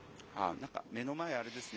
なんか、目の前、あれですね。